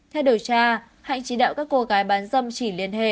theo điều tra hạnh chỉ đạo các cô gái bán dâm chỉ liên hệ